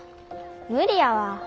無理やわ。